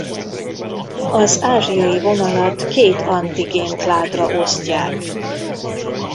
Az ázsiai vonalat két antigén kládra osztják.